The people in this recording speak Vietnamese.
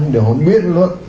để họ biên luận